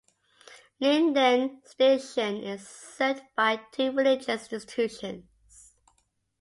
Lyndon Station is served by two religious institutions.